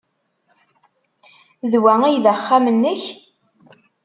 D wa ay d axxam-nnek?